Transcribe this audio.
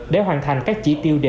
để hoàn thành các chỉ tiêu đề ra